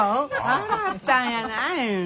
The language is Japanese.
さらったんやない。